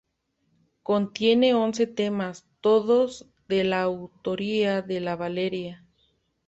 Contiene once temas, todos de la autoría de Valeria.